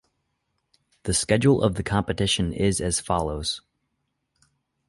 The schedule of the competition is as follows.